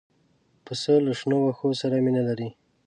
پسه له شنو واښو سره مینه لري.